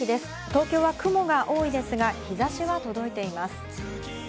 東京は雲が多いですが日差しは届いています。